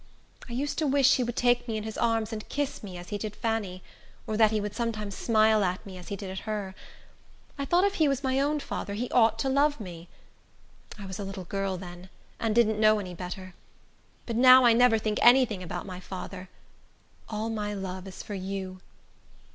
I used to wish he would take me in his arms and kiss me, as he did Fanny; or that he would sometimes smile at me, as he did at her. I thought if he was my own father, he ought to love me. I was a little girl then, and didn't know any better. But now I never think any thing about my father. All my love is for you."